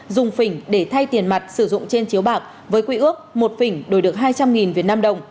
dùng phỉnh để thay tiền mặt sử dụng trên chiếu bạc với quy ước một phỉnh đổi được hai trăm linh vnđ